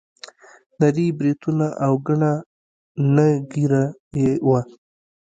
نري بریتونه او ګڼه نه ږیره یې وه.